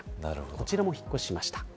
こちらも、お引っ越ししました。